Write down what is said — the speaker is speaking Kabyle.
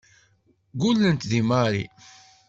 Ggullent deg Mary.